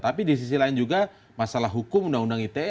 tapi di sisi lain juga masalah hukum undang undang ite